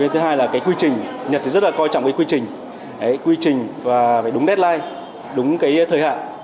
thứ hai là quy trình nhật rất là coi trọng quy trình quy trình và đúng deadline đúng thời hạn